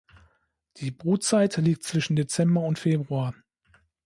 Die Brutzeit liegt zwischen Dezember und Februar.